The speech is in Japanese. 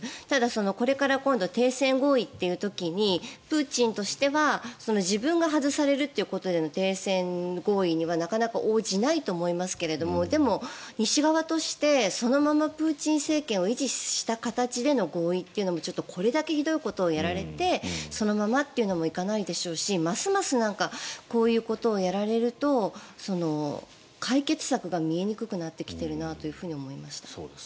ただこれから今後停戦合意という時にプーチンとしては自分が外されるということでの停戦合意にはなかなか応じないと思いますけれどでも西側としてそのままプーチン政権を維持した形での合意というのもこれだけひどいことをやられてそのままというのもいかないでしょうしますますこういうことをやられると解決策が見えにくくなってきていると思いました。